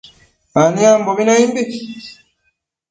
aniambobi naimbi